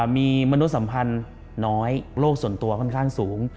มีมนุษยสัมพันธ์น้อยโลกส่วนตัวค่อนข้างสูง